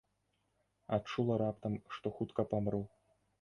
Адчула раптам, што хутка памру!